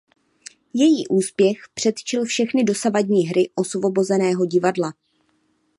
Její úspěch předčil všechny dosavadní hry Osvobozeného divadla.